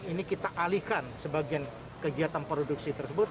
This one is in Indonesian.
ini kita alihkan sebagian kegiatan produksi tersebut